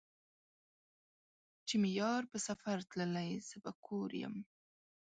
چې مې يار په سفر تللے زۀ به کور يم